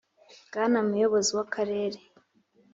Bwana Muyobozi w Akarere